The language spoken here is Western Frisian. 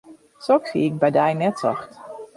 Soks hie ik by dy net socht.